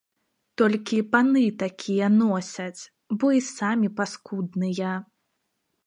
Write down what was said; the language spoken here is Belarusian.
Толькі паны такія носяць, бо і самі паскудныя!